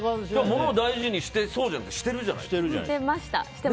物を大事にしてそうじゃなくてしてるじゃないですか。